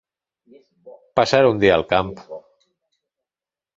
Passar un dia al camp.